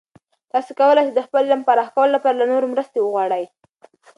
تاسې کولای سئ د خپل علم پراخه کولو لپاره له نورو مرستې وغواړئ.